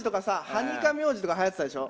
ハニカミ王子とかはやってたでしょ。